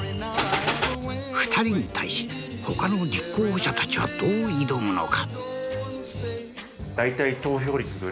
２人に対しほかの立候補者たちはどう挑むのか？